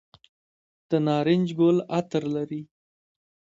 د نارنج ګل عطر لري؟